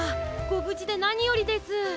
ごぶじでなによりです。